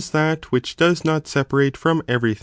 that which does not separate from every '!